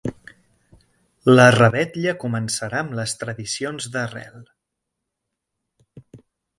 La revetlla començarà amb les tradicions d’arrel.